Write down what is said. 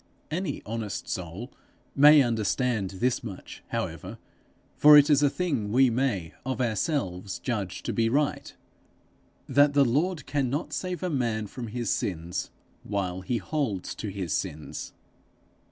Any honest soul may understand this much, however for it is a thing we may of ourselves judge to be right that the Lord cannot save a man from his sins while he holds to his sins.